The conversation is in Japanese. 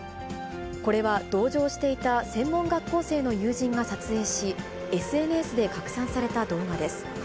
これは同乗していた専門学校生の友人が撮影し、ＳＮＳで拡散された動画です。